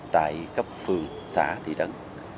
tại cấp phường xã thị trấn